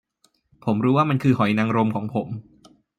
ผมรู้ว่ามันคือหอยนางรมของผม